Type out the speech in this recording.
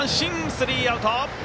スリーアウト。